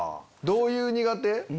どういう苦手？